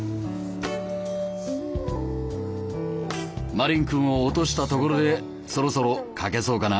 マリン君を落としたところでそろそろ描けそうかな？